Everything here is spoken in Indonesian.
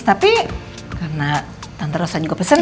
tapi karena tante rosan juga pesen